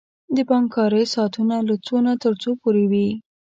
د بانک کاری ساعتونه له څو نه تر څو پوری وی؟